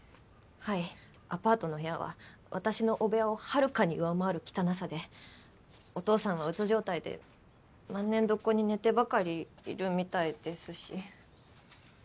はいアパートの部屋は私の汚部屋をはるかに上回る汚さでお父さんはうつ状態で万年床に寝てばかりいるみたいですし。